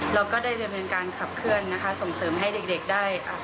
เราก็ได้เรียนการขับเคลื่อนส่งเสริมให้เด็กได้